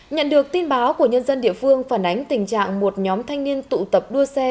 nhận được tin báo của nhân dân địa phương phản ánh tình trạng một nhóm thanh niên tụ tập đua xe